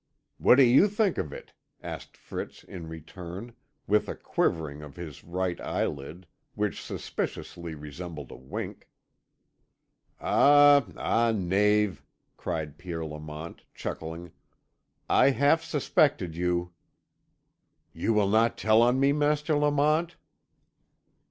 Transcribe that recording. "What do you think of it?" asked Fritz in return, with a quivering of his right eyelid, which suspiciously resembled a wink. "Ah, ah, knave!" cried Pierre Lamont, chuckling. "I half suspected you." "You will not tell on me, Master Lamont?"